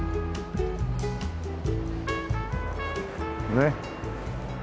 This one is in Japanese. ねっ。